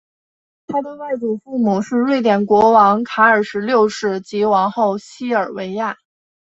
他的外祖父母是瑞典国王卡尔十六世及王后西尔维娅。